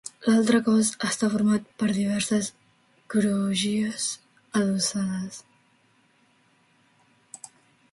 L'altre cos està format per diverses crugies adossades.